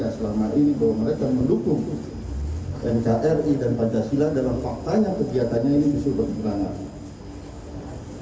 ya selama ini bahwa mereka mendukung nkri dan pancasila dalam fakta yang kegiatannya ini disuruh berjalanan